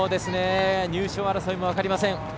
入賞争いも分かりません。